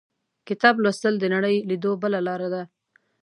• کتاب لوستل، د نړۍ لیدو بله لاره ده.